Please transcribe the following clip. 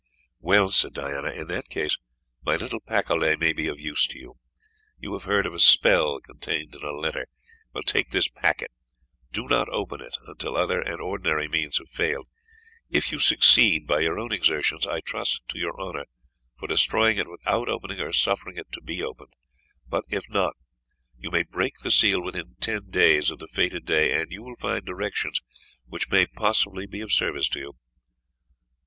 "Well," said Diana, "in that case my little Pacolet may be of use to you. You have heard of a spell contained in a letter. Take this packet; do not open it until other and ordinary means have failed. If you succeed by your own exertions, I trust to your honour for destroying it without opening or suffering it to be opened; but if not, you may break the seal within ten days of the fated day, and you will find directions which may possibly be of service to you.